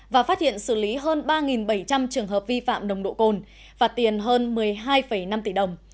và phát hiện xử lý hơn ba bảy trăm linh trường hợp vi phạm nồng độ cồn và tiền hơn một mươi hai năm tỷ đồng